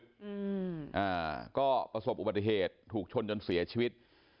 อืมอ่าก็ประสบอุบัติเหตุถูกชนจนเสียชีวิต